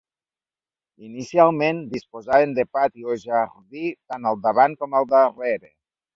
Inicialment disposaven de pati o jardí tant al davant com al darrere.